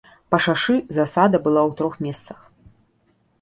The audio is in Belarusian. Па шашы засада была ў трох месцах.